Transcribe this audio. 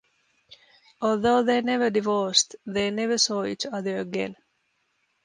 Although they never divorced, they never saw each other again.